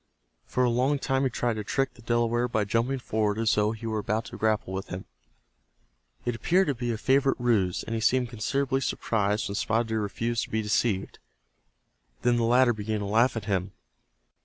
For a long time he tried to trick the Delaware by jumping forward as though he were about to grapple with him. It appeared to be a favorite ruse, and he seemed considerably surprised when Spotted Deer refused to be deceived. Then the latter began to laugh at him.